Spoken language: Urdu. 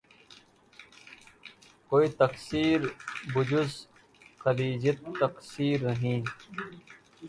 کوئی تقصیر بجُز خجلتِ تقصیر نہیں